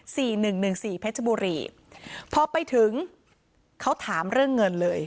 หนึ่งหนึ่งสี่เพชรบุรีพอไปถึงเขาถามเรื่องเงินเลย